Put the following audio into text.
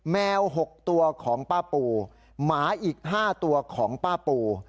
แมว๖ตัวของป้าปูหมาอีก๕ตัวของป้าปู